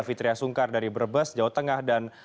fitriah sungkar dari brebes jawa tengah dan